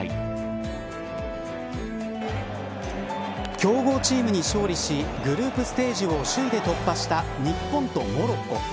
強豪チームに勝利しグループステージを首位で突破した日本とモロッコ。